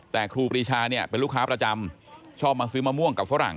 แต่ครูปรีชาเนี่ยเป็นลูกค้าประจำชอบมาซื้อมะม่วงกับฝรั่ง